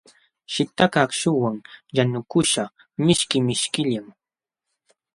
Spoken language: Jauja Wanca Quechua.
Shitqakaq akśhuwan yanukuśhqa mishki mishkillam.